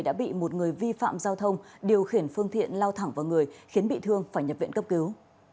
đã bị một người vi phạm giao thông điều khiển phương tiện lao thẳng vào người khiến bị thương phải nhập viện cấp cứu